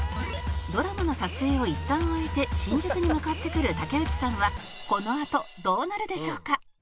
「ドラマの撮影をいったん終えて新宿に向かってくる竹内さんはこのあとどうなるでしょうか？」